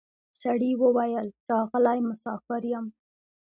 سړي وویل راغلی مسافر یم